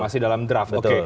masih dalam draft